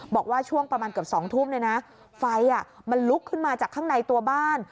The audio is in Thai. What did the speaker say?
บอกว่าช่วงประมาณเกือบ๒ทุ่มเนี่ยนะไฟมันลุกขึ้นมาจากข้างในตัวบ้าน